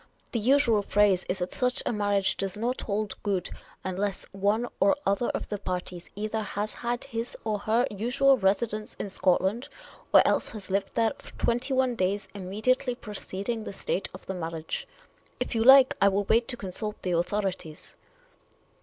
The usual phrase is that such a marriage does not hold good unless one or other of the parties either has had his or her usual residence in Scotland, or else has lived there for twenty one days immediately preceding the date of the mar riage. If you like, I will wait to consult the authorities."